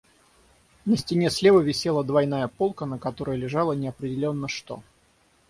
На стене слева висела двойная полка, на которой лежало неопределенно что.